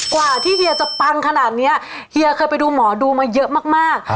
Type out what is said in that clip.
กว่าที่เฮียจะปังขนาดนี้เฮียเคยไปดูหมอดูมาเยอะมาก